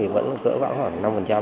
vẫn cỡ gõ khoảng năm